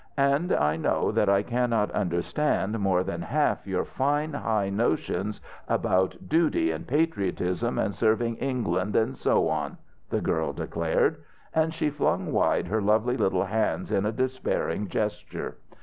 And I know that I cannot understand more than half your fine high notions about duty and patriotism and serving England and so on," the girl declared: and she flung wide her lovely little hands, in a despairing gesture.